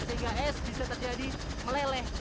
sehingga es bisa terjadi meleleh